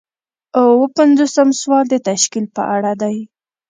اووه پنځوسم سوال د تشکیل په اړه دی.